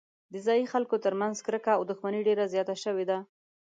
د ځايي خلکو ترمنځ کرکه او دښمني ډېره زیاته شوې ده.